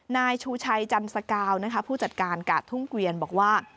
นายชูชัยจันสกาวนะคะผู้จัดการกะทุ่งเกวียนบอกว่า